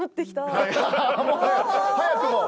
早くも！